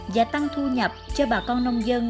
và tăng thu nhập cho bà con nông dân